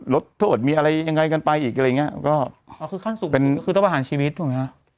ลดโทษมีอะไรยังไงกันไปอีกอะไรอย่างเงี้ยก็อ๋อคือขั้นสุดคือต้องประหารชีวิตตรงเนี้ย